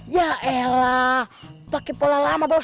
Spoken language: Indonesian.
ya elah pake pola lama bos